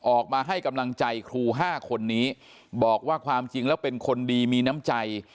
ออกมาให้กำลังใจครู๕คนนี้บอกว่าความจริงแล้วเป็นคนดีมีน้ำใจ